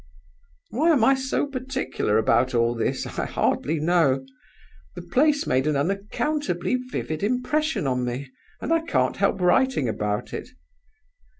"Why am I so particular about all this? I hardly know. The place made an unaccountably vivid impression on me, and I can't help writing about it.